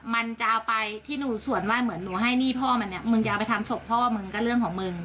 มันจะเอาไปที่หนูส่วนว่าเหมือนหนูให้หนี้พ่อมันเนี่ยมึงจะเอาไปทำศพพ่อมึงก็เรื่องของมึง